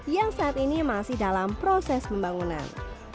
yang saat ini masih dalam proses pembangunan